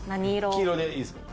黄色でいいですか？